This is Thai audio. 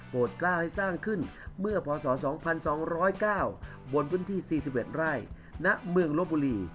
โบสถ์กล้าให้สร้างขึ้นเมื่อพศ๒๒๐๙บ๔๑ไร่ณลบุรี